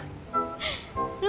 gimana event lo masih kuliah